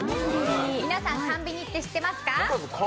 皆さん、韓ビニって知ってますか？